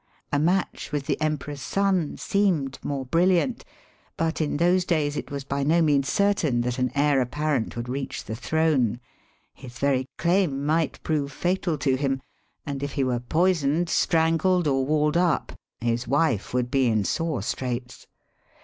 A match with the Emperor's son seemed more brilliant, but in those days it was by no means certain that an heir apparent would reach the throne. His very claim might prove fatal to him, and if he were poisoned, strangled, or walled up, his wife would be in sore straits.